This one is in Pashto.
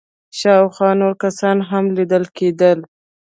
شاوخوا نور کسان هم ليدل کېدل.